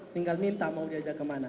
tinggal minta mau diajak kemana